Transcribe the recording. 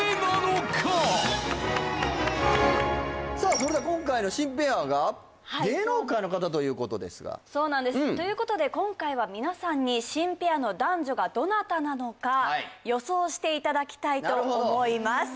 それでは今回の新ペアがということですがそうなんですということで今回は皆さんに新ペアの男女がどなたなのか予想していただきたいと思います